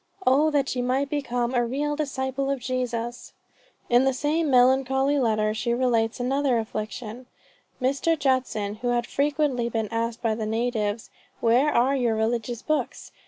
... "Oh that she might become a real disciple of Jesus!" In the same melancholy letter she relates another affliction Mr. Judson, who had frequently been asked by the natives, 'Where are your religious books?'